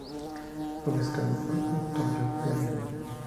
Fue mezclado por el productor John Feldmann.